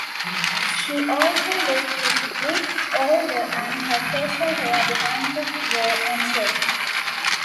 She also looked visibly older and her facial hair began to grow unchecked.